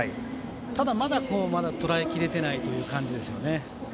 ただ、まだとらえきれていない感じですよね。